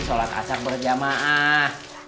sholat asal berjamaah